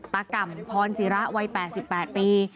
ก่ำพรศิระวัย๘๘ปี